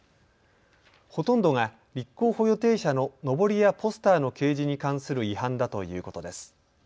ほとんどが、立候補予定者ののぼりやポスターの掲示に関する違反だということです。